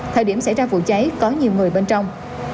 thời điểm xảy ra vụ cháy có nhiều người bên trong